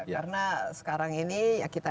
karena sekarang ini kita